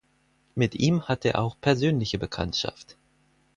Mit ihm hatte er auch persönliche Bekanntschaft.